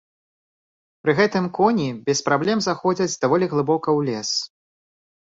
Пры гэтым коні без праблем заходзяць даволі глыбока ў лес.